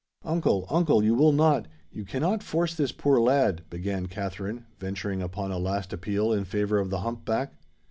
"Uncle—uncle, you will not—you cannot force this poor lad—" began Katherine, venturing upon a last appeal in favour of the hump back.